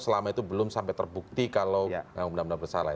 selama itu belum sampai terbukti kalau benar benar bersalah